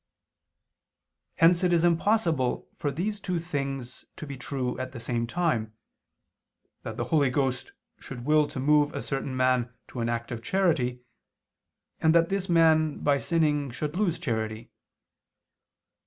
Hence it is impossible for these two things to be true at the same time that the Holy Ghost should will to move a certain man to an act of charity, and that this man, by sinning, should lose charity.